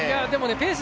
ペース